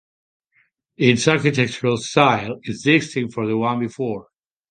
Its architectural style is distinct from the one before.